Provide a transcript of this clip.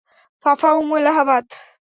Phaphamau, Allahabad.